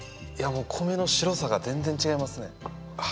もう米の白さが全然違いますねああ